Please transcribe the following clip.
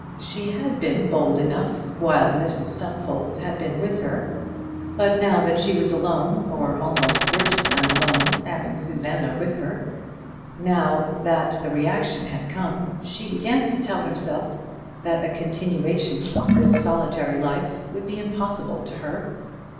She had been bold enough while Mrs Stumfold had been with her, but now that she was alone, or almost worse than alone, having Susanna with her, now that the reaction had come, she began to tell herself that a continuation of this solitary life would be impossible to her.